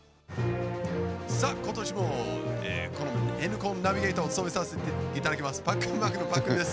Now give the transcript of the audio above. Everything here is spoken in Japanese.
さあ、今年もこの「Ｎコン」ナビゲーターを務めさせていただきますパックンマックンのパックンです。